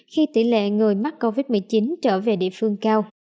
khi tỷ lệ người mắc covid một mươi chín trở về địa phương cao